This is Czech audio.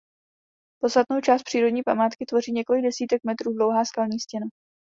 Podstatnou část přírodní památky tvoří několik desítek metrů dlouhá skalní stěna.